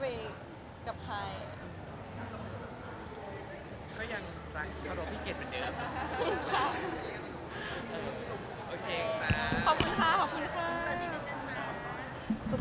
ขอมองกล้องลายเสือบขนาดนี้นะคะ